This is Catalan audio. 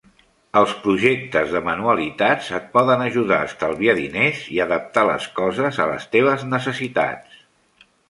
Els projectes de manualitats et poden ajudar a estalviar diners i adaptar les coses a les teves necessitats.